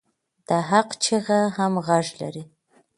د حق چیغه هم غږ لري